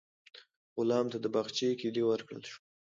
غلام ته د باغچې کیلي ورکړل شوه.